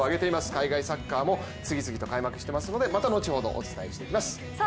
海外サッカーも開幕していますのでお伝えしていきます。